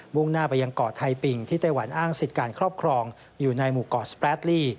่งหน้าไปยังเกาะไทยปิงที่ไต้หวันอ้างสิทธิ์การครอบครองอยู่ในหมู่เกาะสแปรตลี่